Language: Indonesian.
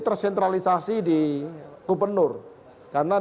tersentralisasi di gubernur karena